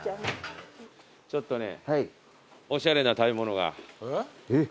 ちょっとねおしゃれな食べ物が。えっ？